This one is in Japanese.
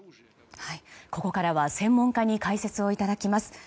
ここからは専門家に解説をいただきます。